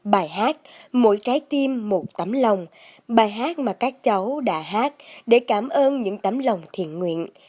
bài hát mỗi trái tim một tấm lòng bài hát mà các cháu đã hát để cảm ơn những tấm lòng thiện nguyện